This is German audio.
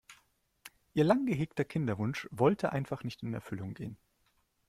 Ihr lang gehegter Kinderwunsch wollte einfach nicht in Erfüllung gehen.